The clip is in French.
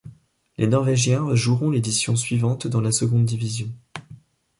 Les norvégiens joueront l'édition suivante dans la seconde division.